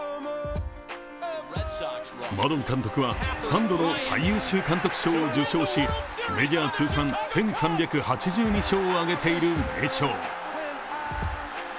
マドン監督は、３度の最優秀監督賞を受賞しメジャー通算１３８２勝を挙げている名将。